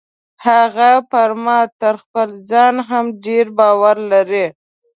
هغه پر ما تر خپل ځان هم ډیر باور لري.